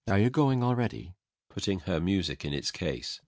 ] Are you going already? FRIDA. [Putting her music in its case.